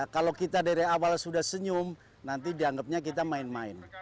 kalau kita dari awal sudah senyum nanti dianggapnya kita main main